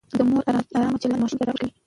د مور ارام چلند ماشوم ته ډاډ ورکوي.